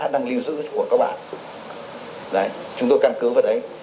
đang lưu giữ của các bạn chúng tôi căn cứ vào đấy